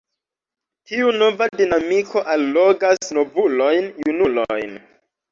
Tiu nova dinamiko allogas novulojn; junulojn.